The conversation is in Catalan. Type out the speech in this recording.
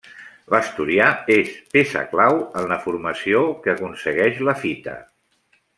L'asturià és peça clau en la formació que aconsegueix la fita.